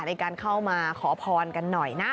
ในการเข้ามาขอพรกันหน่อยนะ